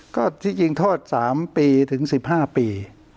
ก็ที่จริงโทษ๓ปีถึง๑๕ปี